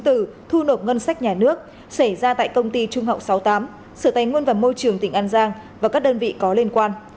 từ thu nộp ngân sách nhà nước xảy ra tại công ty trung hậu sáu mươi tám sở tài nguyên và môi trường tỉnh an giang và các đơn vị có liên quan